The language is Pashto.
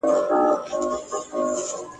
که تاسي وغواړئ، موږ مرسته کولای سو.